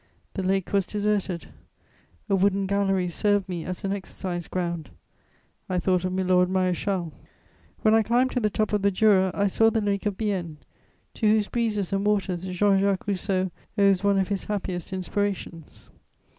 The lake was deserted; a wooden gallery served me as an exercise ground. I thought of Milord Maréchal. When I climbed to the top of the Jura, I saw the Lake of Bienne, to whose breezes and waters Jean Jacques Rousseau owes one of his happiest inspirations.